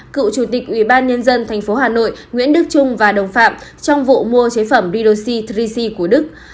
cựu chủ tịch ubnd tp hà nội nguyễn đức trung và đồng phạm trong vụ mua chế phẩm riloxi ba c của đức